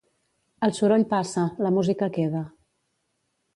El soroll passa, la música queda.